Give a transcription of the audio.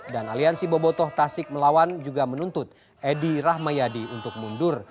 dan aliansi bobotoh tasik melawan juga menuntut edy rahmayadi untuk mundur